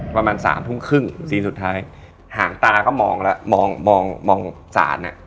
ประมาณสามทุ่มครึ่งซีนสุดท้ายหางตาก็มองแล้วมองมองศาลอ่ะ